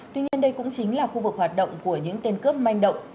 tuy nhiên đây cũng chính là khu vực hoạt động của những tên cướp manh động